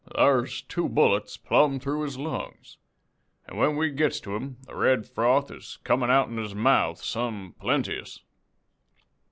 Thar's two bullets plum through his lungs, an' when we gets to him the red froth is comin' outen his mouth some plenteous.